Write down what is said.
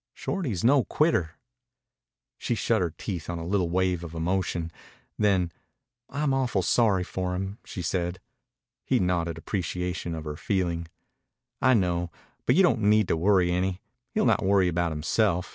Shorty's no quitter." She shut her teeth on a little wave of emotion. Then, "I'm awful sorry for him," she said. He nodded appreciation of her feeling. "I know, but you don't need to worry any. He'll not worry about himself.